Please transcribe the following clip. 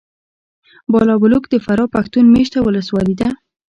بالابلوک د فراه پښتون مېشته ولسوالي ده .